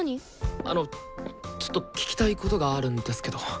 あのちょっと聞きたいことがあるんですけど。